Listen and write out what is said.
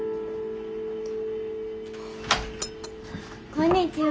こんにちは。